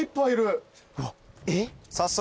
早速？